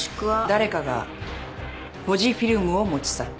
誰かがポジフィルムを持ち去った。